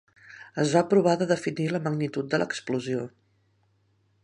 Es va provar de definir la magnitud de l'explosió.